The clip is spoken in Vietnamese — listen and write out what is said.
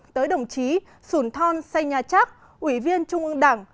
tới đồng chí sùn thon xanh nhà chắc ủy viên trung ương đảng